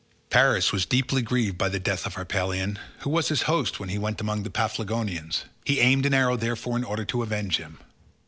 Paris was deeply grieved by the death of Harpalion, who was his host when he went among the Paphlagonians; he aimed an arrow, therefore, in order to avenge him.